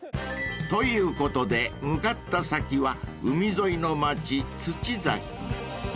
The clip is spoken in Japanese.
［ということで向かった先は海沿いの町土崎］